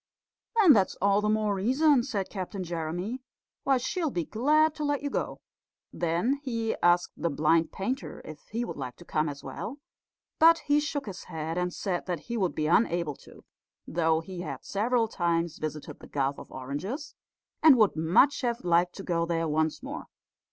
"Then that's all the more reason," said Captain Jeremy, "why she'll be glad to let you go." Then he asked the blind painter if he would like to come as well, but he shook his head and said that he would be unable to, though he had several times visited the Gulf of Oranges, and would much have liked to go there once more.